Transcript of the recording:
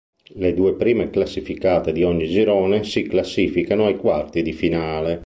Le due prime classificate di ogni girone si classificano ai quarti di finale.